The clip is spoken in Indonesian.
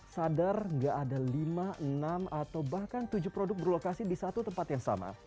sadar gak ada lima enam atau bahkan tujuh produk berlokasi di satu tempat yang sama